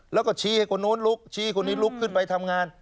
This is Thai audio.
แล้วก็ชี้ให้คนนู้นลุกชี้คนนี้ลุกขึ้นไปทำงาน